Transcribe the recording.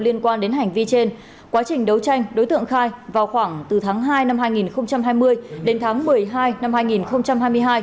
liên quan đến hành vi trên quá trình đấu tranh đối tượng khai vào khoảng từ tháng hai năm hai nghìn hai mươi đến tháng một mươi hai năm hai nghìn hai mươi hai